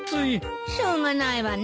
しょうがないわね。